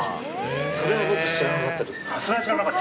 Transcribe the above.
それは僕知らなかったです。